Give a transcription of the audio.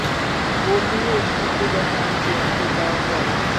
وہ بھی رشتوں کے درمیان جیتا ہے۔